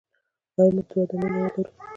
آیا موږ د ودانیو مواد لرو؟